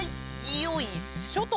よいしょと。